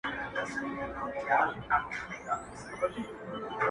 • زوړ غزل له نوي تغیراتو سره؟..